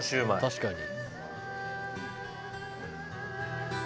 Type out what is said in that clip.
「確かに」